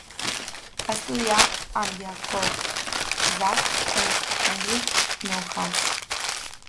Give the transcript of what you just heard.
Va estudiar amb Yakov Zak i Heinrich Neuhaus.